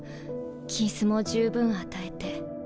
金子も十分与えて。